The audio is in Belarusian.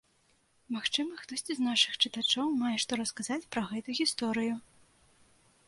Магчыма, хтосьці з нашых чытачоў мае што расказаць пра гэту гісторыю.